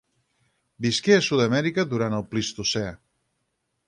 Visqué a Sud-amèrica durant el Plistocè.